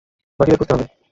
বাকিদের খুঁজতে হবে।